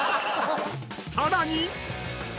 ［さらに］